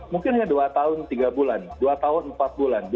misalnya dua tahun tiga bulan dua tahun empat bulan